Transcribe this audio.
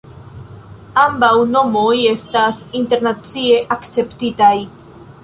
Ambaŭ nomoj estas internacie akceptitaj.